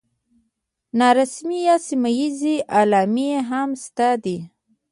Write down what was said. نارسمي یا سیمه ییزې علامې هم شته دي.